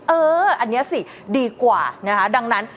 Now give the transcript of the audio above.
เอออันนี้สิดีกว่านะคะดังนั้น